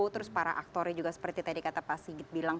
terus para aktornya juga seperti tadi kata pak sigit bilang